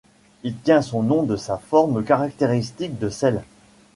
Il tient son nom de sa forme caractéristique de selle.